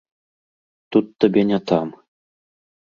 Тут табе не там.